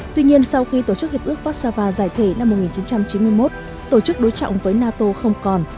tuy nhiên sau khi tổ chức hiệp ước vác sava giải thể năm một nghìn chín trăm chín mươi một tổ chức đối trọng với nato không còn